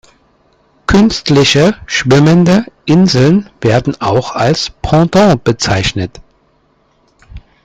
Künstliche schwimmende Inseln werden auch als Ponton bezeichnet.